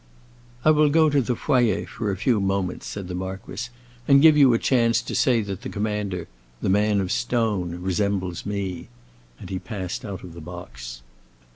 "I will go to the foyer for a few moments," said the marquis, "and give you a chance to say that the commander—the man of stone—resembles me." And he passed out of the box.